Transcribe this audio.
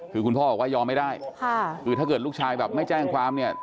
คือคุณพ่อบอกว่ายอมไม่ได้ค่ะคือถ้าเกิดลูกชายแบบไม่แจ้งความเนี่ย